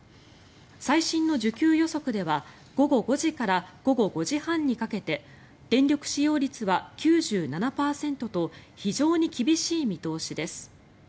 最新の需給予測では午後５時から午後５時半にかけて電力使用率は９７％と非常に厳しい見通しです。